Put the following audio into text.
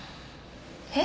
えっ？